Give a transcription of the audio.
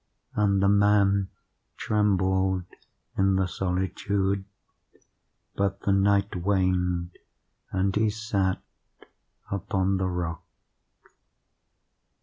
And the man trembled in the solitude;—but the night waned and he sat upon the rock.